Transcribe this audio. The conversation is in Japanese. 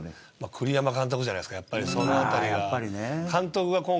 栗山監督じゃないですかそのあたりは。